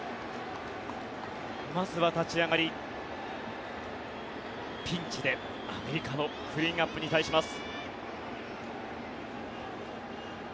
まずは立ち上がりピンチでアメリカのクリーンアップに対します。